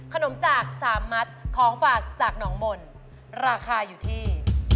จาก๓มัดของฝากจากหนองมนต์ราคาอยู่ที่